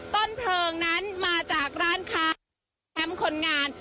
ต้นเพลิงนั้นมาจากร้านค้าแคมป์คนงาน